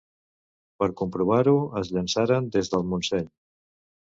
Per comprovar-ho, es llançaren des del Montseny.